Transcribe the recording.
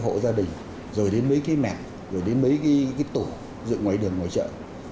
cho đến mấy cái gia đình rồi đến mấy cái mẹ rồi đến mấy cái tổ dựng ngoài đường ngoài chợ